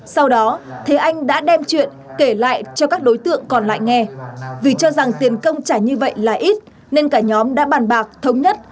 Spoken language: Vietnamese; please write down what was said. sau đó thế anh đã đem chuyện kể lại cho các đối tượng còn lại nghe vì cho rằng tiền công trả như vậy là ít nên cả nhóm đã bàn bạc thống nhất